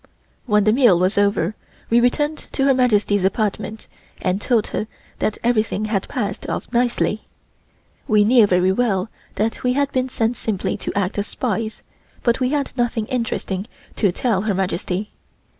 When the meal was over we returned to Her Majesty's apartment and told her that everything had passed off nicely. We knew very well that we had been sent simply to act as spies, but we had nothing interesting to tell Her Majesty.